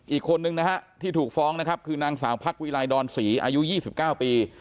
อีกคนนึงที่ถูกฟ้องคือนางสาวพรรควีลายดรศรีอายุ๒๙ปี